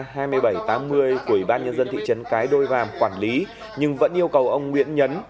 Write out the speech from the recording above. của ủy ban nhân dân thị trấn cái đôi vàng quản lý nhưng vẫn yêu cầu ông nguyễn nhấn